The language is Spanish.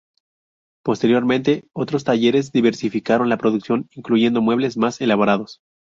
Posteriormente, otros talleres diversificaron la producción incluyendo muebles más elaborados.